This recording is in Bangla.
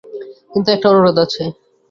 কিন্তু একটা অনুরোধ আছে।